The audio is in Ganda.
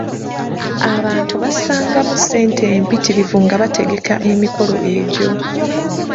Abantu bassangamu ssente empitirivu nga bategeka emikolo egyo.